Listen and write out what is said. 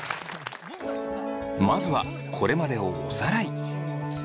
まずはこれまでをおさらい。